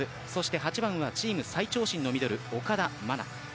そして８番はチーム最長身のミドル岡田愛菜。